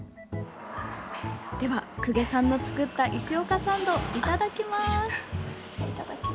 では、久家さんの作ったいしおかサンドをいただきます。